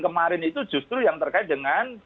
kemarin itu justru yang terkait dengan